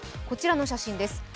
こちらの写真です。